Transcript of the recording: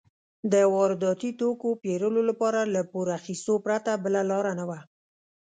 د وارداتي توکو پېرلو لپاره له پور اخیستو پرته بله لار نه وه.